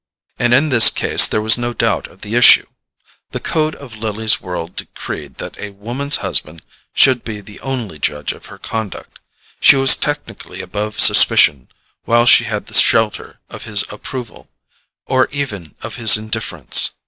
And in this case there was no doubt of the issue. The code of Lily's world decreed that a woman's husband should be the only judge of her conduct: she was technically above suspicion while she had the shelter of his approval, or even of his indifference.